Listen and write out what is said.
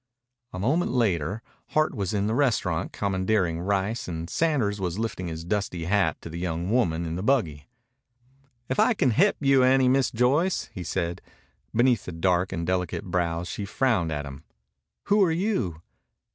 A moment later Hart was in the restaurant commandeering rice and Sanders was lifting his dusty hat to the young woman in the buggy. "If I can he'p you any, Miss Joyce," he said. Beneath dark and delicate brows she frowned at him. "Who are you?"